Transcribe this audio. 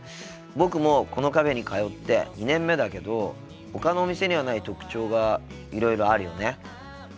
僕もこのカフェに通って２年目だけどほかのお店にはない特徴がいろいろあるよね。